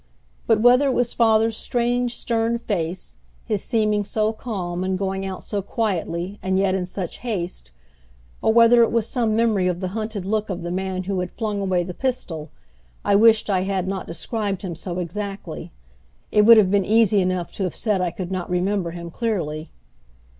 But whether it was father's strange stern face, his seeming so calm and going out so quietly, and yet in such haste; or whether it was some memory of the hunted look of the man who had flung away the pistol, I wished I had not described him so exactly. It would have been easy enough to have said I could not remember him clearly.